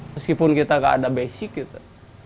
meskipun kita gak ada basic gitu